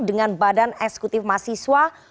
dengan badan eksekutif mahsiswa